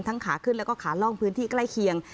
ขาขึ้นแล้วก็ขาล่องพื้นที่ใกล้เคียง